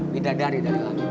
bidadari dari laki